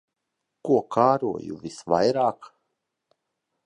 Ko kāroju visvairāk.